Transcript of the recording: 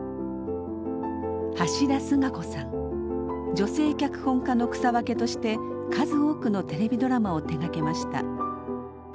女性脚本家の草分けとして数多くのテレビドラマを手がけました。